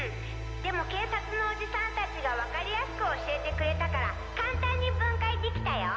でも警察のおじさん達がわかりやすく教えてくれたから簡単に分解できたよ